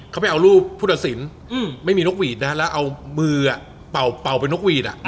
เขาไม่เอารูปผู้ตัดสินไม่มีนกหวีดนะแล้วเอามือเป่าเป็นนกหวีด